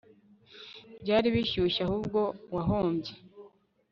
byari bishyushye ahubwo wahombye